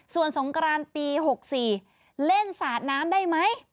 ส่วนสงกรานปี๖๔เล่นสาดน้ำได้ไหม